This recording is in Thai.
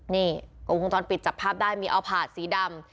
นี่วงจรปิดจับภาพได้มีเอาผาดสีดำ